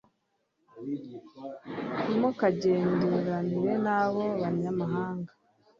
ntimukagendererane n'abo banyamahanga